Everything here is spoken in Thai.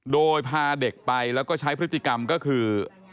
โดยพาเด็กไปแล้วก็ใช้พฤติกรรมก็คือ